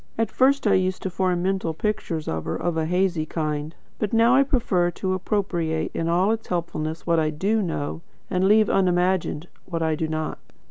At first I used to form mental pictures of her, of a hazy kind; but now I prefer to appropriate in all its helpfulness what I DO know, and leave unimagined what I do not.